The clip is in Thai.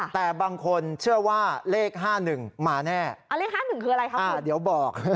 แต่บางคนเชื่อว่าเลขฮ้าหนึ่งมาแน่อ๋อเลขฮ้าหนึ่งคืออะไรครับคุณอ่าเดี๋ยวบอก